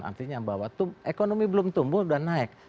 artinya bahwa ekonomi belum tumbuh dan naik